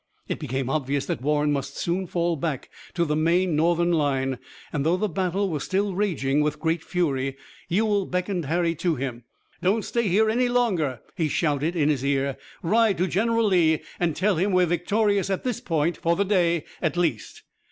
It became obvious that Warren must soon fall back to the main Northern line, and though the battle was still raging with great fury Ewell beckoned Harry to him. "Don't stay here any longer," he shouted in his ear. "Ride to General Lee and tell him we're victorious at this point for the day at least!"